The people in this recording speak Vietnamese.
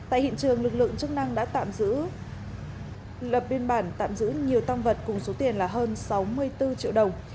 tại hiện trường lực lượng chức năng đã tạm giữ lập biên bản tạm giữ nhiều tăng vật cùng số tiền là hơn sáu mươi bốn triệu đồng